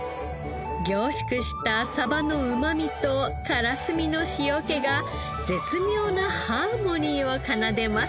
凝縮したサバのうまみとカラスミの塩気が絶妙なハーモニーを奏でます。